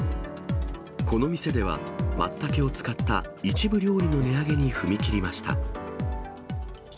この店では、まつたけを使った一部料理の値上げに踏み切りました。